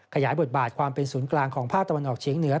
ขยายบทบาทความเป็นศูนย์กลางของภาคตะวันออกเฉียงเหนือ